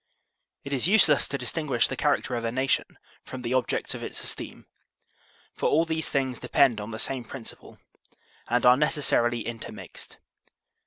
It is useless to distinguish the character of a nation from the objects of its esteem, for all these things de pend on the same principle and are necessarily inter mixed.